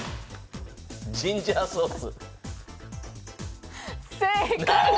ジンジャーソース。